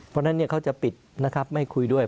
เพราะฉะนั้นเขาจะปิดนะครับไม่คุยด้วย